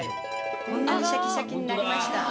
こんなにシャキシャキになりました。